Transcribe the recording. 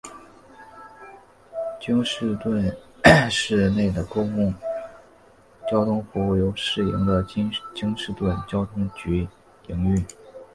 京士顿市内的公共交通服务由市营的京士顿交通局营运。